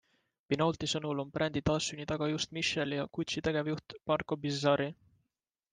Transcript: Pinaulti sõnul on brändi taassünni taga just Michele ja Gucci tegevjuht Marco Bizzarri.